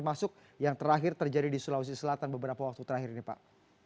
masuk yang terakhir terjadi di sulawesi selatan beberapa waktu terakhir ini pak